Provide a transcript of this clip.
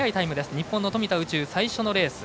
日本の富田宇宙、最初のレース。